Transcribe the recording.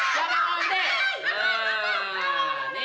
siapa yang mau yang gede